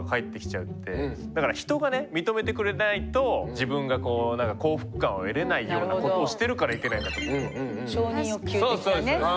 だから人が認めてくれないと自分が幸福感を得れないようなことをしてるからいけないんだと思うんだよね。